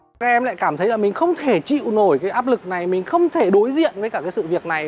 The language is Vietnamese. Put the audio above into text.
các em lại cảm thấy là mình không thể chịu nổi cái áp lực này mình không thể đối diện với cả cái sự việc này